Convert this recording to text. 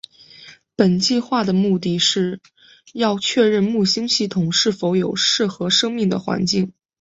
本计画的目的是要确认木星系统是否有适合生命的环境。